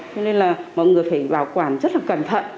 cho nên là mọi người phải bảo quản rất là cẩn thận